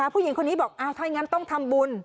ผู้หญิงคนนี้บอกถ้าอย่างนั้นต้องทำบุญ